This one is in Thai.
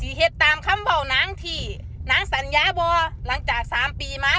ฮีเหตุตามคำบ่าน้ำที่น้ำสรรญาบ่หลังจากสามปีมา